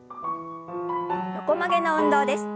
横曲げの運動です。